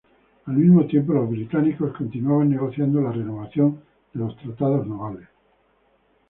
Al mismo tiempo, los británicos, continuaban negociando la renovación de los tratados navales.